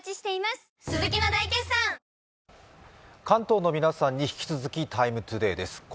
関東の皆さんに引き続き「ＴＩＭＥ，ＴＯＤＡＹ」です。